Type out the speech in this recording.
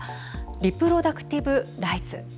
リプロダクティブ・ライツ。